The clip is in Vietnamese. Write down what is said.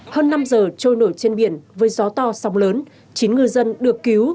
hơn năm giờ trôi nổi trên biển với gió to sông lớn chín ngư dân được cứu